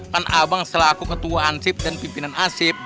kan abang selaku ketua ansib dan pimpinan ansib